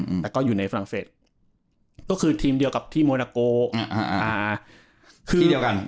อืมแต่ก็อยู่ในฝรั่งเศสก็คือทีมเดียวกับที่โมนาโกอ่าอ่าคือเดียวกัน